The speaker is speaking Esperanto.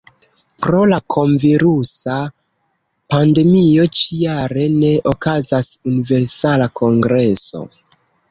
Pro la kronvirusa pandemio ĉi-jare ne okazas Universala Kongreso.